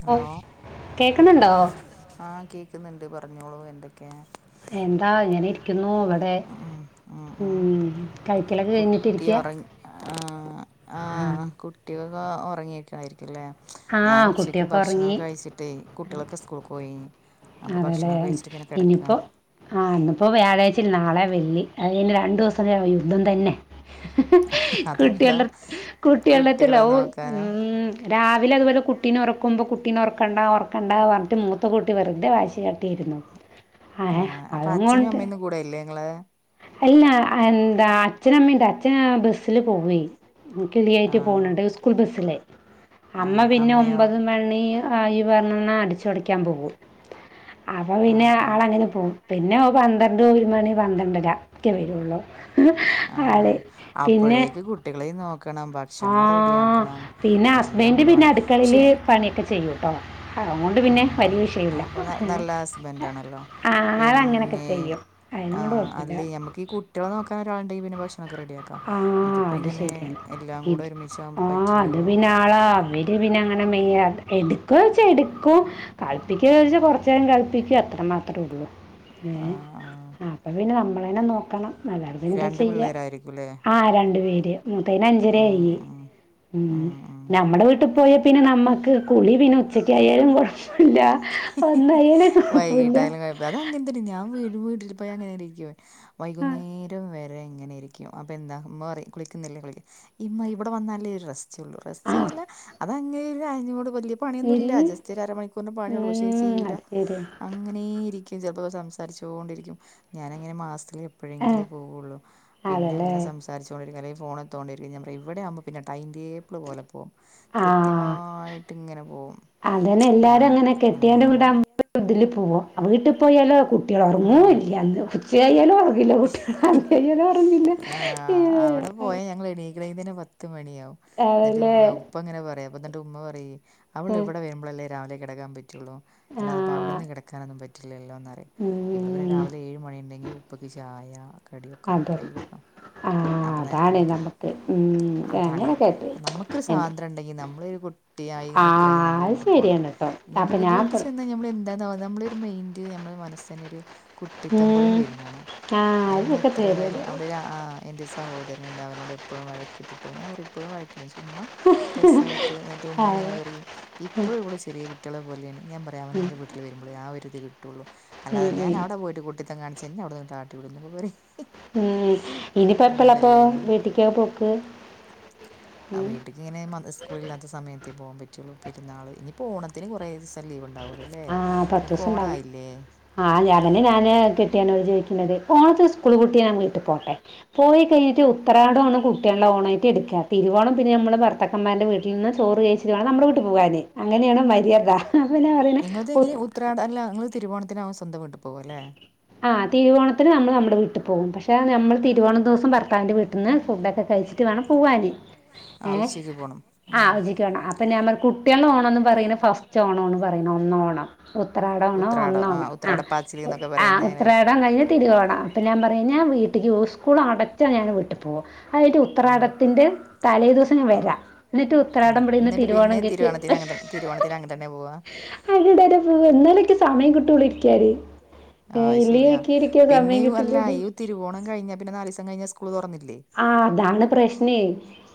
Hello കേക്കുന്നുണ്ടോ ആ കേൾക്കുന്നുണ്ട് പറഞ്ഞോളൂ എന്തൊക്കെ? എന്താ ഇങ്ങനെ ഇരിക്കുന്നു ഇവിടെ ഉം. കുട്ടി ഉറ ആ ആ കുട്ടികൊക്കെ ഉറങ്ങയിയിരിക്കുംല്ലേ ഞാൻ ഉച്ചക്ക് ഭക്ഷണം ഒക്കെ കഴിച്ചിട്ട് കുട്ടികളൊക്കെ സ്കൂള് ക്കോയി അതേല്ലേ ഇനിയിപ്പോ ആ ന്നിപ്പോ വ്യാഴാഴ്ചൽ നാളെ വെള്ളി അത്കയിഞ്ഞ് രണ്ടു ദിവസം യുദ്ധം തന്നെ. കുട്ടിള്ള കുട്ടിയള്ളത്തില്ല ഉം രാവിലെ അത് പോലെ കുട്ടിനെ ഉറക്കുമ്പോ കുട്ടിനെ ഉറക്കണ്ട ഉറക്കണ്ട പറഞ്ഞട്ട് മൂത്തകുട്ടി പറയും ന്റെ കാശ് കട്ടിയിരുന്നു ആഹ് അതും കൊണ്ട് കൂടെ ഇല്ലേ നിങ്ങളെ? അല്ല എന്താ അച്ഛനമ്മീണ്ട് അച്ഛന് ബസ്സിില് പോവയ് കിളിയായിട്ട് പോണണ്ട് സ്കൂൾ ബസിലേ. അമ്മ പിന്നെ ഒമ്പത് മണി ആ ഈ പറഞ്ഞാ അടിച്ചുൊടിക്കാൻ പോകും അപ്പ പിന്നെ ആളങ്ങനെ പോകും പിന്നെ പന്ത്രണ്ട് ഒരുമണി പന്ത്രണ്ടര ഒക്കെ വരുള്ളൂ. ആള് പിന്നെ കുട്ടികളേം നോക്കണം ഭക്ഷണോം റെഡിയാക്കണം എല്ലാം കൂടെ വണ്ടെ പക്ഷേ പണിയൊക്കെ ചെയ്യും ആഹ് അപ്പൊ നല്ല ഹസ്ബന്റ് ആണല്ലോ പിന്നെ ആ അല്ലെേ നമ്മക്ക് ഈ കുട്ടികളെ നോക്കാൻ ഒരാൾ ഉണ്ടകിൽ പിന്നെ ഭക്ഷണ ക്കെ റെഡിയ ആക്കാം ഇതിപ്പ ങ്ങനെ എല്ലാം കൂടെ ഒരുമിച്ചാവുമ്പോ പറ്റില്ലല്ലോ. അളാ വിര് പിന്നെങ്ങനെ മെയ എടുകോ ചോ എടുക്കും കളിപ്പിക്കോ ച്ച കൊറേ ച്ചൻ കളിപ്പിക്കു അത്ര മാത്രമേ ഉള്ളൂ ഏഹ് ആ അപ്പപ്പിന്നെ നമ്മളന്നെ നോക്കണം അല്ലാതെ പിന്നെ എന്താ ചെയ്യാ. ആഹ് രണ്ട് പേര് മൂത്തയിനെ ഉം ഉം. ഉം നമ്മുടെ വീട്ടിൽ പോയാ പിന്നെ നമ്മക്ക് കുളി പിന്നെ ഉച്ചക്കായാലും കുഴപ്പമില്ല വൈകിട്ടായാലും കുഴപ്പല്ല അത് അങ്ങനത്തെ ഞാൻ വീട് വീ ഇപ്പ ങ്ങനെയിരിക്കു വൈകുന്നേരം വരെ ങ്ങനെയിരിക്കും അപ്പോൾ എന്താ ഉമ്മ പറയും കുളിക്കുന്നില്ലേ കുളി ഇമ്മ ഇവിടെ വന്നാലേ ഒരു റസ്സള്ളു റസ്റ്റ് ന്നല്ല അതങ്ങനെ ഒരു അയഞ്ഞോട് വലിയ പണിയൊന്നും ഇല്ല ജസ്റ്റ് ഒരുഅര മണിക്കൂർ പണിയള്ളൂ പക്ഷേ ചെയ്യൂല ങ്ങനെ നീരിക്കും ചില പ്പോ സംസാരിച്ചോണ്ടിരിക്കും ഞാനങ്ങനെ മാസില് എപ്പോഴെങ്കിലേ പോവൊള്ളൂ പിന്നെ അങ്ങനെ സംസാരിച്ചുക്കൊണ്ടിരിക്കും അല്ലെങ്കിൽ ഫോണ് തോണ്ടരിക്ക ഞാൻ പറയും ഇവിടെ ആകുമ്പോ പിന്നെ ടൈംടേബിൾ പോല പോവും. കൃത്യമായിട്ട് ഇങ്ങനെ പോകും അങ്ങ ആ ഇതില് പോവും. വീട്ടിൽ പോയാലും കുട്ടികൾ ഉറങ്ങൂല്ല ഉച്ചയായാലും ഉറങ്ങും [unintelligible] [unintelligible] പത്ത് മണിയാവും എന്നിട്ട് ഉപ്പ ങ്ങനെ പറയാ പ്പന്നിട്ട് ഉമ്മ പറയേ അവൾ ഇവിടെ വരുമ്പോളല്ലേ രാവിലെ കിടക്കാൻ പറ്റുള്ളൂ അല്ലാതെ ഇപ്പവിട്ന്ന് കിടക്കാനൊന്നും പറ്റു പറ്റില്ലല്ലോ ന്നു പറയും ഇവിടെ പിന്നെ രാവിലെ ഏഴ് മണി ഉണ്ടെങ്കിൽ ഉപ്പക്ക് ചായ കടിയൊക്കെ റെഡിയാക്കി കൊടുക്കണം. അപ്പൊ നരത്തെനിക്കണം അതണേ അപ്പൊ നമ്മുക്കൊരു സ്വാന്ത്രം ഉണ്ടെങ്കി നമ്മളരു കു ട്ടിയായി നിക്കാണെങ്കി നമ്മള് വീട്ടിൽ പോണം ഞാൻ പറ വീട്ടിൽചെന്ന ഴിഞ്ഞ നമ്മൾ എന്താ നമ്മള ഒരു മെയിന്റ് നമ്മുടെ മനസ് ഒരു കുട്ടിത്തപോലെണ് വരുന്നകാണാ. ന്മൾ എത്ര തായാല [unintelligible] ആഹ് എൻ്റെ സഹോദരനിണ്ട് അവനോട് എപ്പോഴും വഴക്കിട്ടിട്ടും ഞാൻ പറയും ഇപ്പോഴും വഴക്കിട്ടിടടും ചുമ്മാ രസായിട്ട് ന്നിട്ട് ഉമ്മങ്ങനെ പറിം ഇപ്പളും ഇവള് ചെറീ കുട്ടിയളെ പോലെണ് ഞാൻ പറി അവനാന്റെ വീട്ടിൽ വരുമ്പളെ ആ ഒരു ഇത് കിട്ടുള്ളു അല്ലാതെ ഞാന് അവിടെ പോയി കുട്ടിത്തം കാണിച്ച ഇന്നെ അവിടുന്ന് ആട്ടി വിടുന്നൊക്കെ പറി ഉം ഇനിപ്പോ എപ്പളാപ്പൊ വീട്ടിക്യക്കെ പോക്ക് ഇജ്ജ്നെ മ സ്കൂളില്ലാത്ത സമയത്തേ പോവാ പറ്റുള്ളൂ പെരുന്നാള് ഇനിപ്പോ ഓണത്തിന് കുറേ ദി ലീവ് ഉണ്ടാവുലല്ലോ ഇങ്ങക്ക് ഓണായില്ലേ ആഹ് അതന്നെ ഞാന് കെട്ടിയോനോട് ചോയ്ക്ക്ണത് ഓണത്തിന് സ് പെൺകുട്ടിയാന്ന്ട്ട് പോട്ടേ പോയി കഴിഞ്ഞിട്ട് ഉ ത്രാട ആണ് കുട്ടിയാളെ ഓണായിട്ട് എടുക്കാ തിരുവോണം പിന്നെ നമ്മള് ഭർത്തക്കന്മാര്ടെ വീട്ടിൽന്ന് ചോറ് കഴിച്ചിട്ട് വേണം നമ്മളെ വീട്ടിൽ പോവാന് അങ്ങനെയാണ് മര്യാദ അപ്പ ന്നാ പറയണെ ഇതെങ്ങനെ ഉത്രാട അല്ല നിങ്ങള് തിരുവണത്തിനാവും സ്വന്തം വീട്ട് പോവല്ലേ ആഹ് തിരുവോണത്തിന് നമ്മള് നമ്മളെ വീട്ടില് പോവും പക്ഷെ നമ്മള് തിരുവണ ദി ഭർത്താവിന്റെ വീട്ടിന്ന് ഫുഡൊക്കെ കഴിച്ചിട്ട് വേണം പോവാന് ഏ ആഹ് ചിക്കേണം അപ്പൊ ഞാൻ പറഞ്ഞ് കുട്ടിയളെ ഓണന്ന് പറയുന്നെ ഫസ്റ്റ് ഓണാണ് പറയണേ ഒന്നാ ഓണം ഉത്രാടോണോ ഒന്നാണോ ആഹ് ആഹ് ഉത്രാടം കഴിഞ്ഞാ തിരുവോണം അപ്പ ഞാപറിം ഞാൻ വീട്ടിക്ക് പോവും സ്കൂള് അടച്ചാ ഞാൻ വീട്ട് പോവും അയിട്ട് ഉത്രാടത്തിന്റെ തലേദിവസം ഞ്ഞ വരാ ന്നിട്ട് ഉത്രാടം ഇബിടിരുന്ന് തിരുവോണംങ്കെറ്റ് അവിടെ ടെപൂവ ഇന്ന് ഇക്ക് സമയം കിട്ടുള്ളു ഇരിക്കാന് ആഹ് ശരിയാ പിന്നെയും അല്ല ഈ തിരുവോണം കഴിഞ്ഞാ പിന്നെ നാലിസം കഴിഞ്ഞാ സ്കൂള് തുറന്നില്ലേ ആഹ് അതാണ് പ്രശ്നേ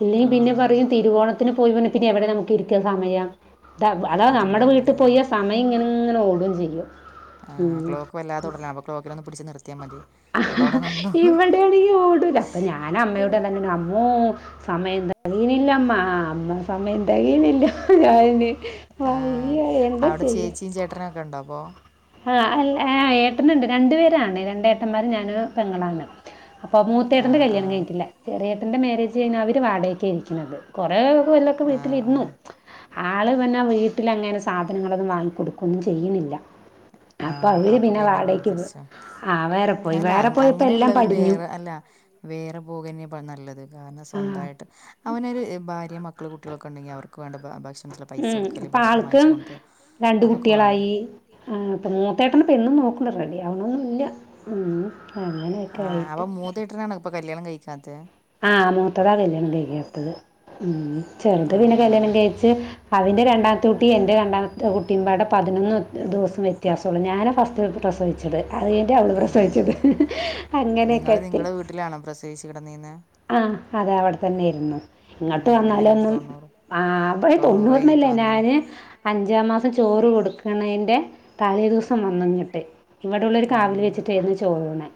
ഇല്ല പിന്നെ പറയും തിരുവോണത്തിന് പോയിന്നെ പിന്നെ എവിടെ നമുക്ക് ഇരിക്കാ സമയം അതാ നമ്മടെ വീട്ട് പോയ സമയം ഇങ്ങനെ ഇങ്ങനെ ഓടും ചെയ്യും ആഹ് ക്ലോക്ക് വല്ലാതെ തുടരലാ അപ്പൊ ക്ലോക്കിനൊന്ന് പിടിച്ച് നിർ ഇവിടെയാണങ്കി ഓടുല അപ്പൊ ഞാനമ്മയോട് തന്ന അമ്മോ സമയം തികയിണില്ലമ്മാ അമ്മു സമയം തെകയിണില്ല ഞാന് നി ആഹ് അവിടെ ചേച്ചിം ചേട്ടനൊക്കെ ഉണ്ടൊപ്പോ ആഹ് അൽ ഏ ഏട്ടുന്നുണ്ട് രണ്ടു പേരാണ് രണ്ടേഏട്ടന്മാരും ഞാനു പെങ്ങളാണ് അപ്പൊ മൂത്തേട്ടന്റെ കല്യാണം കഴിഞ്ഞിട്ടില്ല ചെറിയേട്ടന്റെ മേരേജ് കഴിഞ്ഞ് അവര് വാടക്യാ ഇരിക്ക്ണത് കെറേ കൊല്ലൊക്കെ വീട്ടിലിരുന്നു ആള് പിന്നെ വീട്ടില് അങ്ങനെ സാധനങ്ങളൊന്നും വാങ്ങി കൊടുക്കുന്നു ചെയ്യ്ണില്ല ആഹ് അപ്പൊ പിന്നെ വേർ തിരിച്ചാ അല്ല അങ്ങനെയുള്ളവര് വേറെ അല്ല വേറെ പോകന്നെപ്പം നല്ലത് കാരണം സ്വന്തായിട്ട് അവനൊരു ഭാര്യ മക്ക ക്കള് കുട്ടിയളൊക്കെണ്ടെങ്കി അവർക്ക് വേണ്ട ഭ ഭക്ഷണത്ര പൈസ കൊടുക്കല് വസ്ത്രം വാങ്ങിച്ച് കൊണ്ട്രാ അതൊക്കെ വേണം ആഹ് അപ്പൊ മൂത്തേട്ടന് പെണ്ണ് നോക്ക് ന്ണ്ട് റെഡിയാവ്ണൊന്നുല്യ ഉം ആഹ് അവ മൂത്തേട്ടനാണ്ഇപ്പൊ കല്യാണം കഴിക്കാത്തെ ആഹ് മൂത്തതാ കല്യാണം കഴിക്കാത്തത് ഉം ചെറ്ത് പിന്നെ കല്യാണം കഴിച്ച് അവൻ്റെ രണ്ടാമത്തെ കുട്ടി എൻ്റെ രണ്ടാമത്തെ കുട്ടിം പാടെ പതിനൊന്ന് ദിവസം വ്യത്യാസള്ളൂ ഞാനാ ഫസ്റ്റ് പ്രസവിച്ചത് അത് കഴിഞ്ഞ അവള് പ്രസവിച്ചത് അങ്ങനെക്കെ എത്തി ല്ലാണ് പ്രസ് തേച്ച് കിടന്നീന്നെ ആഹ് അതെ അവിടെ തന്നെയിരുന്നു ഇങ്ങട്ട് വന്നാലൊന്നും ആഹ് ബൈ തൊണ്ണൂറിനില്ലേ ഞാന് അഞ്ചാം മാസം ചോറ് കൊടുക്ക്ണേന്റെ തലേദിസം വന്ന്ങ്ങട്ട് ഇവിടെള്ളൊരു കാവിൽ വെച്ചിട്ടായിരുന്നു ചോറൂണ്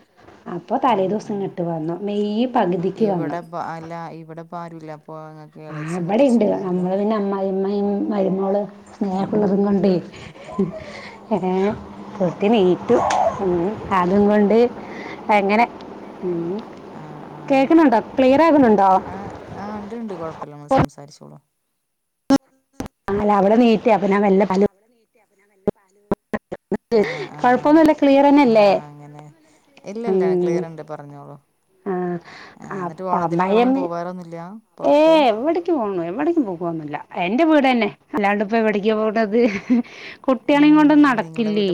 അപ്പൊ തലേദിസം ഇങ്ങട്ട് വന്നു മെയ് പകുതി അല്ല ഇവിടെപ്പ ആരുല്ല പ്പൊ ആ ഇവിടെണ്ട് നമ്മള് പിന്നെ അമ്മായിമ്മീം മരുമോള് സ്നേഹകൂടുതൽകൊണ്ടേ ഏ കുട്ടി നീറ്റു ഉം അതും കൊണ്ട് എങ്ങനെ ഉം കേക്ക്ണുണ്ടോ ക്ലിയറാകുണുണ്ടോ? ആ ഉണ്ട് ഉണ്ട് കുഴപ്പില്ല നമ്മൾ സംസാരിച്ചോളൂ ല്ല അവിടെ വീട്ടി അപ്പ ഞാൻ വെല്ല പലും അവിടെ നീട്ടിയ അപ്പ ഞാൻ വല്ല പാലും ആഹ് ആഹ് ആഹ് അങ്ങനെ ഇല്ല ഇല്ല ക്ലിയറുണ്ട് പറഞ്ഞോളൂ ആ എന്നിട്ട് ഓണത്തിനു നിങ്ങൾ എവിടെയും പോകാറൊന്നുല്ല്യ പൊറത്ത് ത്തിനു പോണോ എവിടയ്ക്ക് പോകൊന്നില്ല എന്റെ വീട് തന്നെ അല്ലാണ്ട് ഇപ്പോ എവിടെക്ക് പോകണത് കുട്ടി ആളേം കൊണ്ടൊന്നും നടക്കില്ലേ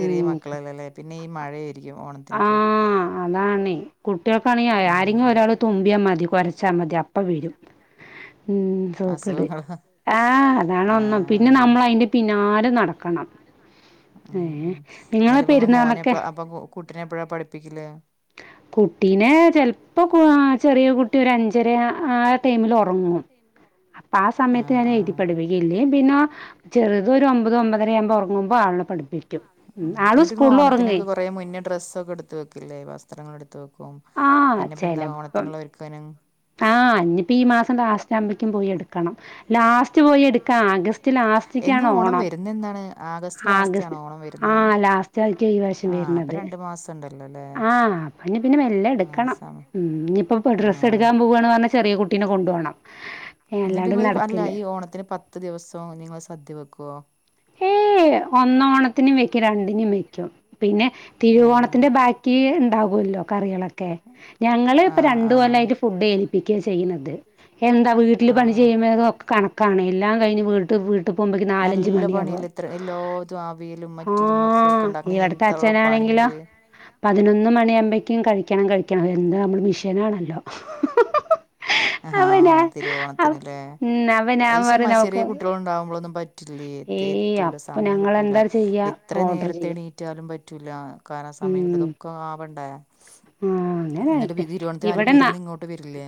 ഉം ല്ലെ പിന്നെ ഈ മഴയായിരിക്കും ഓണത്തിനൊക്കെ അതാണെ കുട്ടികൾക്കാണെങ്കിൽ ആരെങ്കിലും ഒരാൾ തുമ്പിയാ മതി കൊരച്ചാ മതി അപ്പ വരും ഉം സോപ്പ്ട് ഏഹ് അതാണ് ഒന്ന് പിന്നെ നമ്മളയിന്റെ പിന്നാലെ നടക്കണം ഉം ഉം എന്നിട്ടിപ്പോ മോനെപ്പ അപ്പൊ കുട്ടീനെ എപ്പോഴാ പഠിപ്പിക്കല് കുട്ടീനെ കുട്ടീനെ ചിലപ്പോൾ ആ ചെറിയ കുട്ടി ഒരു അഞ്ചര ആ ടൈമിൽ ഉറങ്ങു ആ സമയത്ത് ഞാൻ എഴുതി പഠിപ്പിക്കും ഇല്ലെങ്കി പിന്ന ചെറുതൊരു ഒമ്പത് ഒമ്പതര ആവുമ്പോ ഉറങ്ങുമ്പോ ആളെ പഠിപ്പിക്കും ഉം ആളും സ്കൂളിൽ ഉറങ്ങേ പ്പഴേ മുന്നേ ഡ്രസൊക്കെ എടുത്ത് വെക്കില്ലേ ഈ വസ്ത്രൾ എടുത്തു വെക്കും പിന്നെ ഇപ്പൊ എന്താ ഓണത്തിനുള്ള ഒരു [unintelligible] ആഹ് ഇഞ്ഞിപ്പോ ഈ മാസം ലാസ്റ്റാവുമ്പേക്കും പോയി എടു ക്കണം ലാസ്റ്റ് പോയെട്ക്കാ ആഗസ്റ്റ് ലാസ്റ്റ്ക്കാണ് ഓണം ആഗസ്റ്റ് ആഹ് ലാസ്റ്റായിട്ടാ ഈ വർഷം വെര്ണത് ഉണ്ടല്ലോ അല്ലേ ആഹ് അപ്പോ ഇനി പിന്നെ മെല്ലെ എടുക്കണം ഉം ഇനിയിപ്പപ്പ ഡ്രസ്സ് എടുക്കാൻ പോവാണ് പറഞ്ഞി ക്കാൻ പോവാണ് പറഞ്ഞു ചെറിയ കുട്ടീനെ കൊണ്ടുപോണം എന്നിട്ട് ഇങ്ങള് അല്ല ഈ ഓണ ത്തിന് പത്ത് ദിസൊ നിങ്ങള് സദ്യ വെക്കുവോ ഒന്നാം ഓണത്തിനും വെക്കും രണ്ടിനും വെക്കും പിന്നെ തിരുവോണത്തിന്റെ ബാക്കി ഉണ്ടാകുമല്ലോ കറികളൊക്കെ ഞങ്ങള് ഇപ്പൊ രണ്ടു കൊല്ലായിട്ട് ഫുഡ് ഏൽപ്പിക്ക ചെയ്യുന്നത് എന്താ വീട്ടിൽ പണി ചെയ്യുമ്പോഴേക്കും ഒക്കെ കണക്കാണ് എല്ലാം കഴിഞ് വീട്ട് വീട്ടിൽ പോവുമ്പോയ്ക്ക് നാലഞ്ച് മണിയാകും ലെത്ര എല്ലാതും അവിയലും മറ്റതും മറച്ചതുമൊക്കെ ഉണ്ടാക്കണെങ്കി എത്ര പണിയുണ്ട് പതിനൊന്ന് മണിയാവുമ്പോക്കും കഴിക്കണം കഴിക്കണം എന്താ നമ്മള് മെഷീനാണല്ലോ ഹാ തിരുവോണത്തിനല്ലേ ഐശിമാ ചെറിയ കുട്ടികൾ ഉണ്ടാവുമ്പോളൊന്നും പറ്റ എത്തൂല സമയം കിട്ടൂല എത്ര നേരത്തെണീ ണീറ്റാലും പറ്റൂല്ല കാരണം സമയം കിട്ടി ഇതൊക്കെ ആവേണ്ടേ എന്നിട്ട് പോ ഈ തിരുവോണത്തിനാരേലും ആരും വിരുന്ന് ഇങ്ങോട്ട് വരില്ലേ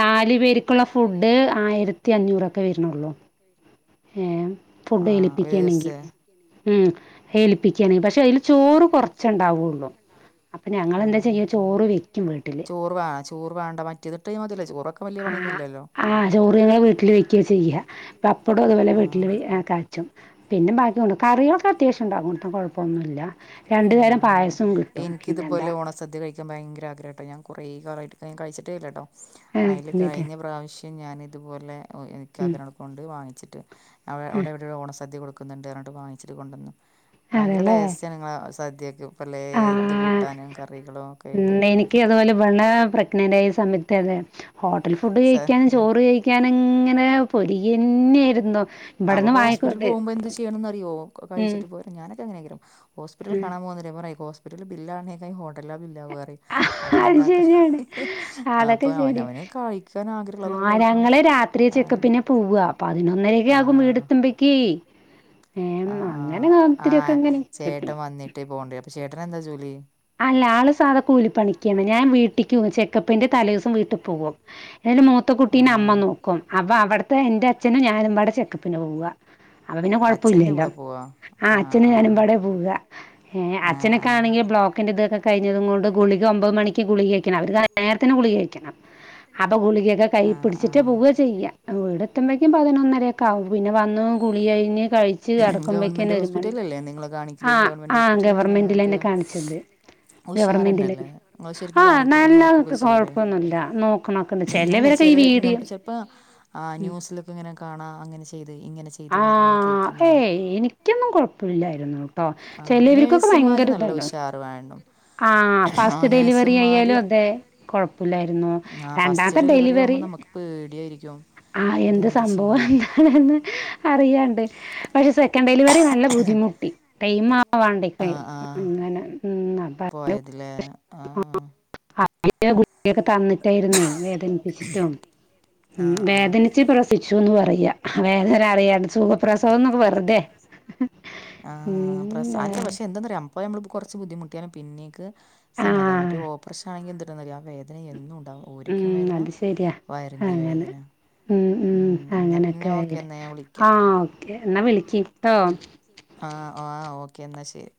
നാല് പേർക്കുള്ള ഫുഡ് ആയിരത്തി അഞ്ഞൂറൊക്കെ വരണള്ളൂ ഏ ഫുഡ് ഏൽപ്പിക്കുകയാണെങ്കിൽ ഉം ഏൽപ്പിക്കയാണെങ്കിൽ പക്ഷെ അതിൽ ചോറ് കുറച്ചുണ്ടാവുള്ളൂ അപ്പ ഞങ്ങളെന്താ ചെയ്യാ ചോറ് വെക്കും വീട്ടില് വാ ചോറ് വേണ്ട മറ്റേ ഇതിട്ട മതില്ലൊ ചോറൊ ആ ആ ചോർ ഞങ്ങൾ വീട്ടിൽ വെക്കുവെ ചെയ്യാ പപ്പടോം അതുപോലെ വീട്ടിൽ വെയി ആക്കാൻ പിന്നെ ബാക്കി ഉണ്ണും കറികളൊക്കെ അത്യാവശ്യം ഉണ്ടാവും ഒട്ടും കുഴപ്പമൊന്നുമില്ല രണ്ടു തരം പായസം കിട്ടും പിന്നെ എന്താ സദ്യ കഴിക്കാൻ ഭയങ്കര ആഗ്രഹം കേട്ടോ ഞാൻ കുറെ കാലമായിട്ട് കഴിച്ചിട്ടേല്ലട്ടോ അതില് കഴിഞ്ഞ പ്രാവശ്യം വശ്യം ഞാനിതുപോലെ ഇക്കാക്കനോട് കൊണ്ട് വാങ്ങിച്ചിട്ട് അവിടെ ഇവിടെ ഒരു ഓണസദ്യ കൊടുക്ക വക്കുന്നുണ്ട് എന്നറിഞ്ഞിട്ട് വാങ്ങിച്ചിട്ട് കൊണ്ടന്നു ഭയങ്കര ടേസ്റ്റാണ് നിങ്ങളെ സദ്യക്കും ഇത് കൂട്ടാനും കറി ഉം എനിക്ക് അതുപോലെ ഇവളെ പ്രഗ്നന്റ് ആയ സമയത്ത് അതെ ഹോട്ടൽ ഫുഡ് കഴിക്കാനു ചോറ് കഴിക്കാൻ ഇങ്ങനെ പൊലി തന്നെയായിരുന്നോ അപ്പൊ ഹോസ്പിറ്റിൽ പോമ്പോ എന്ത് ചെയ്യണംന്നറിയോ കഴിച്ചിട്ട് പോര ഞാനൊക്കങ്ങനാക്കാരം ഹോസ്പിറ്റലിൽ കാണാ പോ [unintelligible] ഹോസ്പിറ്റല്ല് ബില്ലണേ കായ് ഹോട്ടല്ലാ ബില്ലാവാറിം അപ്പ ഇതാക്ക അപ്പ അവനവനക്കായി ചാൻ ആഗ്രഹള്ളതൊക്കെ കഴിക്കണം പോവ്വ പതിനൊന്നരെക്ക്യാകും വീട എത്തുമ്പേക്കേ ആഹ് ആഹ് ആഹ് ചേട്ടൻ വന്നിട്ട് പോണ്ടേ അപ്പൊ ചേട്ടനെന്താ ജോലി അല്ല ആള് സാധാ കൂലിപ്പണിക്ക്യാണ് ഞാൻ വീട്ടിക്കോവും ചെക്കപ്പിന്റെ തലേയൂസം വീട്ടി പോവും എന്റെ മൂത്ത കുട്ടീനെ അമ്മ നോക്കും അപ്പ അവടെത്തെ എന്റെ അച്ഛനും ഞാനുംപാടെ ചെക്കപ്പിന് പോവ അപ പിന്നെ കൊഴ്പ്പൊല്ലല്ലോ ആഹ് അച്ഛനും ഞാനുമ്പാടെ പോക ഏഹ് അച്ഛനെക്കാണിക്ക ബ്ലോ ക്കിന്റെ ഇതൊക്കെ കയ്ഞ്ഞത്ങ്ങോണ്ട് ഗുളിക ഒമ്പ മണിക്ക് ഗുളികെക്കണം അവര്ക്ക് നേര്ത്തിനെ ഗുളികയ്ക്കണം അപ്പ ഗുളികെക്കെ കൈയ്യിപ്പിടിച്ചിട്ട് പോവ ചെയ്യ വീടെത്തുബെഴ്ക്കും പതിനൊന്നെരെ ക്കാവും പിന്നെ വന്നു ഗുളികഴിഞ്ഞ് കഴിച്ച് കെട്ക്കുമ്പേക്കിന് ഒരുമണി ആഹ് ആഹ് ഗവർമെന്റിലെന്നെ കാണിച്ചത് ഗവർമെന്റില് ആ നല്ല കൊഴപ്പൊന്നുല്ല നോക്ക്ണ അല്ലെ ചെലെ ന്ത ചെൽപ്പോ ആഹ് ന്യൂസ്‌ലോക്കെങ്ങനെ കാണാ അങ്ങനെ ചെയ്ത് ഇങ്ങനെ ചെ ആഹ് ഏയ് ഇനിക്കൊന്നും കൊഴ്പ്പല്ലായിരുന്നു ട്ടോ ചിലെവിര് നയ്സുമാര് നല്ല ഉഷാറ് വേണം ആഹ് ഫാസ്റ്റ് ഡെലിവറിയായാലു അതെ കൊഴപുല്ലായ്രുന്നു രണ്ടാൻത്തെ ഡെലിവറി പേട്യായ്രിക്കും ആ എന്ത് സംഭവം എന്താണീന്ന് അറിയാണ്ട് പഷെ സെ ക്കൻ ഡെലിവറി നല്ല ബുദിമുട്ടി ടൈം ആവാണ്ടെ അങ്ങനെ ഉം പോയത് ലേ ആഹ് [unintelligible] തന്നിട്ടായ്രുന്നേ വേദനിപ്പിച്ചിട്ടും ഉം വേദനി പ്രസിച്ചൂന്ന് പറയാ വേദര അറിയാതെ സുഖ പ്രസവംന്നൊക്കെ വെറുതെ ഉം ആഹ് അപ്പോ നമ്മൾ ഇപ്പൊ കൊർച്ച് ബുദ്ധിമുട്ട്യാലും പിന്നേക്ക് സമാധാനമറ്റേ ഓപ്പ്രേഷ്നാണെങ്കി എന്ത ആ വേദന എന്നുണ്ടാവും ഊരക്കും വേദന വയറിന്റെ വേദന ഉം ഉം എന്നാ പിന്നെ ഓക്കെന്നാ ഞാൻ പിന്നെ വിളിക്ക ആഹ് ആഹ് ഓക്കെ ഇന്നാ ശരി